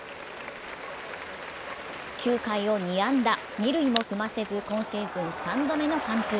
９回を２安打、二塁も踏ませず今シーズン３度目の完封。